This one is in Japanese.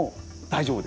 大丈夫？